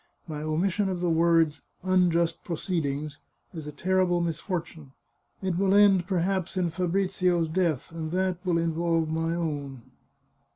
" My omission of the words * unjust proceed ings ' is a terrible misfortune. It will end, perhaps, in Fa brizio's death, and that will involve my own."